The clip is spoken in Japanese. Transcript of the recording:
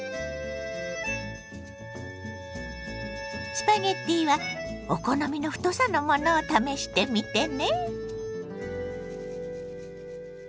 スパゲッティはお好みの太さのものを試してみてね。